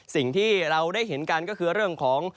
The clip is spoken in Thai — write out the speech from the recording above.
สิ่งที่เราได้เห็นกันก็คือเรื่องของ